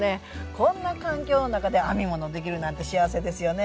こんな環境の中で編み物できるなんて幸せですよね。